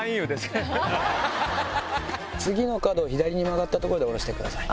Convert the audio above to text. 次の角を左に曲がった所で降ろしてください。